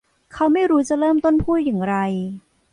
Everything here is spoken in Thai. เขาไม่รู้จะเริ่มต้นพูดอย่างไร